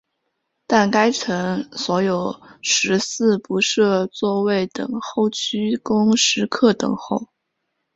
但该层所有食肆不设座位等候区供食客等候。